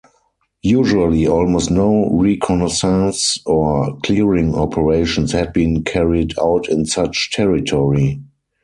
Usually almost no reconnaissance or clearing operations had been carried out in such territory.